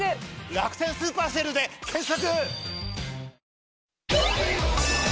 「楽天スーパーＳＡＬＥ」で検索！